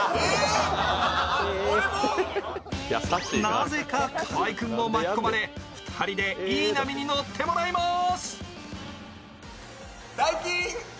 なぜか河合君も巻き込まれ２人でイイ波に乗ってもらいます。